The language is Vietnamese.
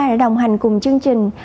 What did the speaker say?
đã đồng hành cùng chương trình